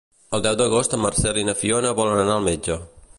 El deu d'agost en Marcel i na Fiona volen anar al metge.